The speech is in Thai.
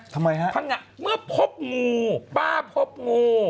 ทำไมฮะพังงะเมื่อพบงูป้าพบงู